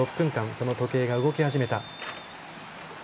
その時計が動き始めた。